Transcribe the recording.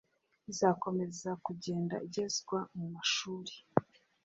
izakomeza kugenda igezwa mu mashuri,